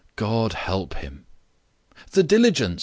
God help him!" "The diligence!"